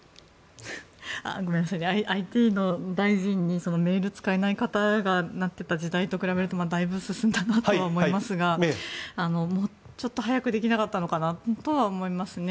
ＩＴの大臣にメールを使えない方がなっていた時代と比べるとだいぶ進んだと思いますがもうちょっと早くできなかったのかなとは思いますね。